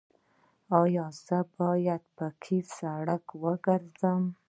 ایا زه باید په قیر سړک وګرځم؟